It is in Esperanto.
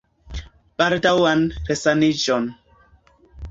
Baldaŭan resaniĝon!